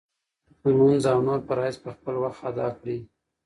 لمونځ او نور فرایض په خپل وخت ادا کړه.